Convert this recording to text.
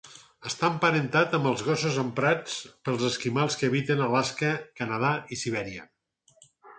Està emparentat amb els gossos emprats pels esquimals que habiten Alaska, Canadà i Sibèria.